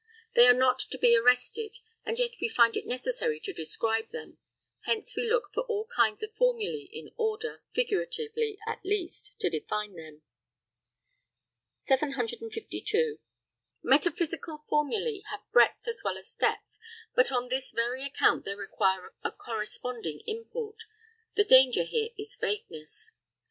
They are not to be arrested, and yet we find it necessary to describe them; hence we look for all kinds of formulæ in order, figuratively at least, to define them. 752. Metaphysical formulæ have breadth as well as depth, but on this very account they require a corresponding import; the danger here is vagueness.